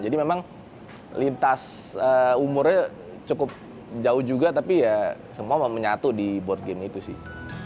jadi memang lintas umurnya cukup jauh juga tapi ya semua menyatu di board game itu sih